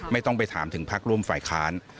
ไม่ต้องไปถามถึงพักร่วมฝ่ายค้าน